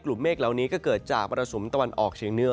กลุ่มเมเมคเหล้านี้ก็เกิดจากมะระสุมตะวันออกเชียงเนื้อ